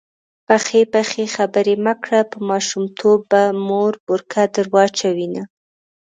پخې پخې خبرې مه کړه_ په ماشومتوب به مور بورکه در واچوینه